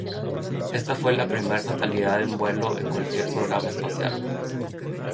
Esta fue la primera fatalidad en vuelo en cualquier programa espacial.